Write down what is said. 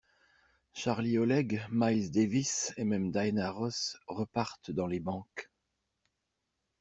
Charlie Oleg, Miles Davis, et même Diana Ross repartent dans les banques.